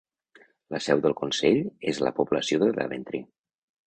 La seu del consell és a la població de Daventry.